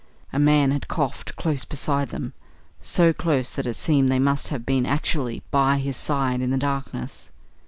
A man had coughed close beside them so close that it seemed they must have been actually by his side in the darkness.